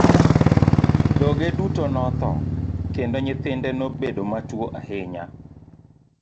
Dhoge duto notho, kendo nyithinde nobedo matuwo ahinya.